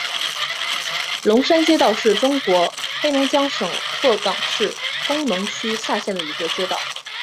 龙山街道是中国黑龙江省鹤岗市工农区下辖的一个街道。